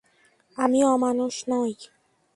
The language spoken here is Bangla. আমি অমানুষ নই।